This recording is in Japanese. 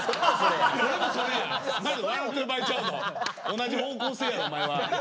同じ方向性やお前は。